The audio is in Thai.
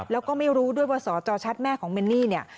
แล้วก็ไม่รู้ด้วยว่าสจชัดแม่ของเมนนี่เนี่ย